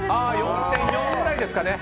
４．４ぐらいですかね。